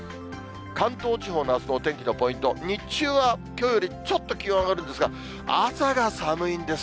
関東地方のあすのお天気のポイント、日中はきょうよりちょっと気温上がるんですが、朝が寒いんです。